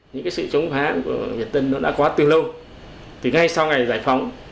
những sự chống phá của việt tân đã quá từ lâu từ ngay sau ngày giải phóng